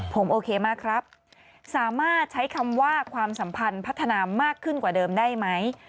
ผมโอเคมากครับสามารถใช้คำว่าความสัมพันธ์พัฒนามากขึ้นกว่าเดิมได้ไหม